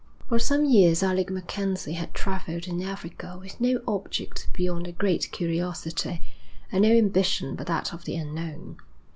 For some years Alec MacKenzie had travelled in Africa with no object beyond a great curiosity, and no ambition but that of the unknown.